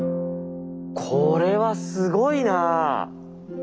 これはすごいなあ。